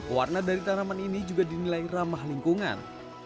warna dari tanaman ini juga dinilai ramah lingkungan